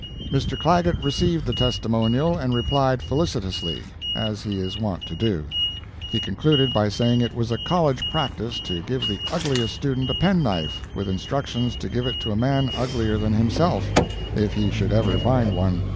] Mr. Clagett received the testimonial, and replied felicitously—as he is wont to do. He concluded by saying it was a college practice to give the ugliest student a penknife, with instructions to give it to a man uglier than himself, if he should ever find one.